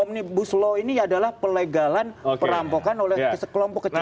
omnibus law ini adalah pelegalan perampokan oleh sekelompok kecil